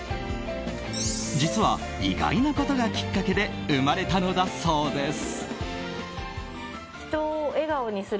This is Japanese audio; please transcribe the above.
実は、意外なことがきっかけで生まれたのだそうです。